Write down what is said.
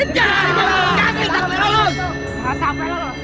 jangan sampai lah